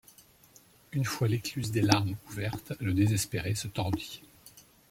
Une fois l’écluse des larmes ouvertes, le désespéré se tordit.